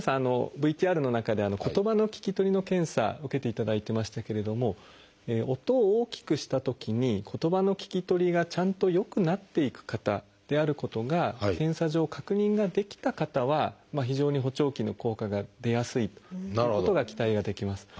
ＶＴＲの中で言葉の聞き取りの検査受けていただいてましたけれども音を大きくしたときに言葉の聞き取りがちゃんと良くなっていく方であることが検査上確認ができた方は非常に補聴器の効果が出やすいということが期待はできます。